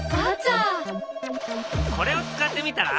これを使ってみたら？